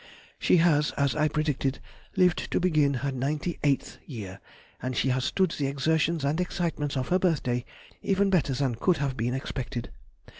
She has, as I predicted, lived to begin her ninety eighth year, and she has stood the exertions and excitements of her birthday even better than could have been expected.